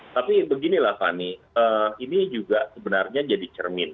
tapi beginilah fani ini juga sebenarnya jadi cermin